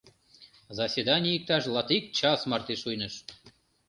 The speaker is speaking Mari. Заседаний иктаж латик час марте шуйныш.